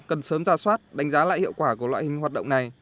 cần sớm ra soát đánh giá lại hiệu quả của loại hình hoạt động này